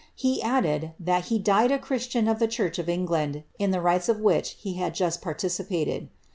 He added, that he died a Christian of the church of Elngland, in the rites of which he bad just participated.